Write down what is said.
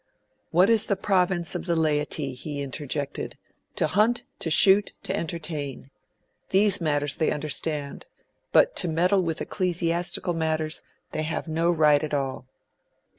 'What is the province of the laity?' he interjected. 'To hunt, to shoot, to entertain. These matters they understand, but to meddle with ecclesiastical matters they have no right at all.'